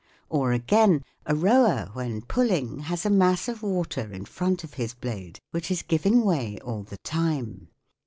Or, again, a rower when pull ing has a mass of water in front of his blade which is giving way all the time.